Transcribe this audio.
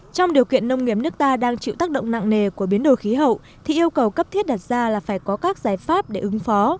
trong điều kiện nông nghiệp nước ta đang chịu tác động nặng nề của biến đổi khí hậu thì yêu cầu cấp thiết đặt ra là phải có các giải pháp để ứng phó